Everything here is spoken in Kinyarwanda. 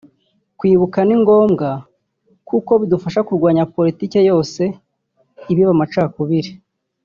Kwibuka ni ngombwa kuko bidufasha kurwanya politiki yose ibiba amacakubiri